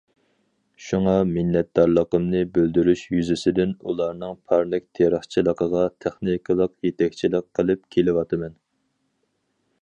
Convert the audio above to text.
شۇڭا مىننەتدارلىقىمنى بىلدۈرۈش يۈزىسىدىن ئۇلارنىڭ پارنىك تېرىقچىلىقىغا تېخنىكىلىق يېتەكچىلىك قىلىپ كېلىۋاتىمەن.